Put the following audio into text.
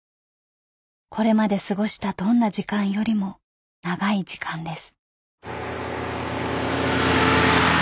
［これまで過ごしたどんな時間よりも長い時間です］